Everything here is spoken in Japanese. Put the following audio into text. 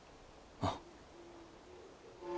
あっ！